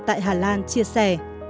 tại hà lan chia sẻ